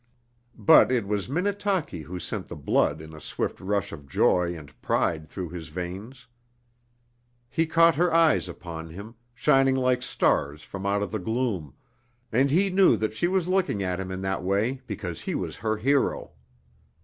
But it was Minnetaki who sent the blood in a swift rush of joy and pride through his veins. He caught her eyes upon him, shining like stars from out of the gloom, and he knew that she was looking at him in that way because he was her hero.